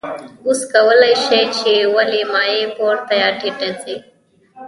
اوس کولی شئ چې ولې مایع پورته یا ټیټه ځي.